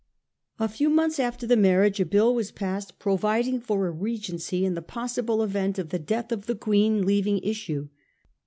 A few months after the marriage, a hill was passed providing for a regency in the possible event of the death of the Queen, leaving issue.